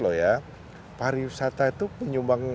para para wisata itu penyumbang